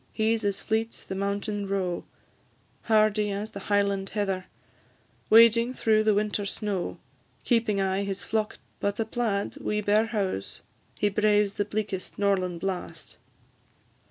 He 's as fleet 's the mountain roe, Hardy as the Highland heather, Wading through the winter snow, Keeping aye his flock together; But a plaid, wi' bare houghs, He braves the bleakest norlan' blast.